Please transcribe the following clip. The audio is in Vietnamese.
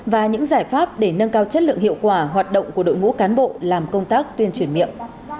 và những giải pháp để nâng cao chất lượng hiệu quả hoạt động của đội ngũ cán bộ làm công tác tuyên truyền miệng